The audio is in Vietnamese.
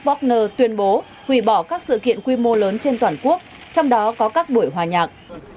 borgner tuyên bố hủy bỏ các sự kiện quy mô lớn trên toàn quốc trong đó có các buổi hòa nhạc